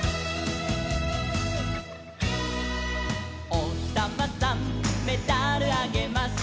「おひさまさんメダルあげます」